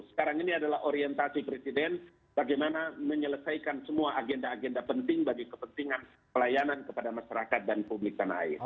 sekarang ini adalah orientasi presiden bagaimana menyelesaikan semua agenda agenda penting bagi kepentingan pelayanan kepada masyarakat dan publik tanah air